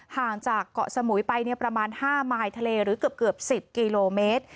ห่างจากเกาะสมุยไปประมาณ๕มายทะเลหรือเกือบ๑๐กิโลเมตร